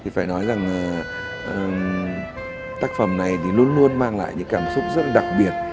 cảm thấy là tác phẩm này luôn luôn mang lại cảm xúc rất đặc biệt